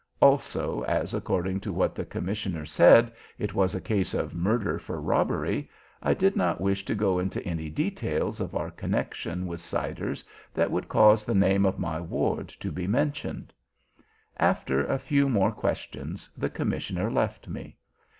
Also, as according to what the commissioner said, it was a case of murder for robbery, I did not wish to go into any details of our connection with Siders that would cause the name of my ward to be mentioned. After a few more questions the commissioner left me.